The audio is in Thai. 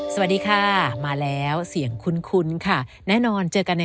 สวัสดีค่ะมาแล้วเสียงคุ้นค่ะแน่นอนเจอกันใน